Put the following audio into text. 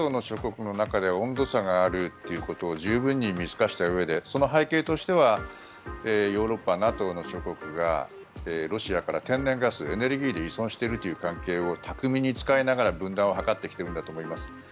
ＮＡＴＯの諸国の中で温度差があるということを十分に見透かしたうえでその背景としてはヨーロッパ、ＮＡＴＯの諸国がロシアから天然ガスエネルギー類を依存しているという関係を巧みに使いながら分断を図ってきているんだと思います。